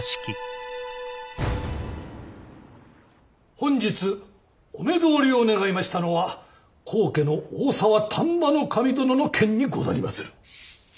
本日お目通りを願いましたのは高家の大沢丹波守殿の件にござりまする。